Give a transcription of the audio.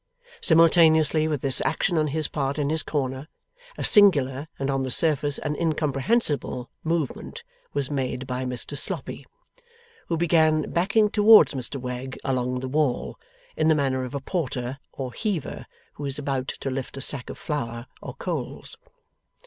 Simultaneously with this action on his part in his corner, a singular, and on the surface an incomprehensible, movement was made by Mr Sloppy: who began backing towards Mr Wegg along the wall, in the manner of a porter or heaver who is about to lift a sack of flour or coals.